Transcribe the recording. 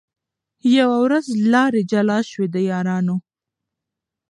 یوه ورځ لاري جلا سوې د یارانو